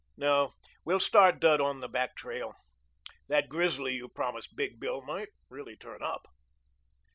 No, we'll start Dud on the back trail. That grizzly you promised Big Bill might really turn up."